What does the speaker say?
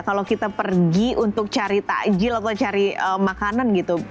kalau kita pergi untuk cari takjil atau cari makanan gitu